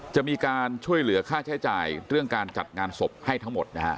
จะมีการช่วยเหลือค่าใช้จ่ายเรื่องการจัดงานศพให้ทั้งหมดนะฮะ